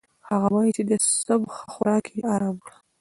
هغه وايي چې د سبو ښه خوراک يې ارام کړی.